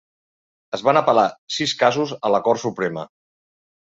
Es van apel·lar sis casos a la cort suprema.